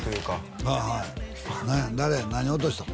何落としたの？